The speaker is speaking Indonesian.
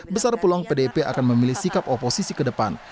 besar peluang pdip akan memilih sikap oposisi ke depan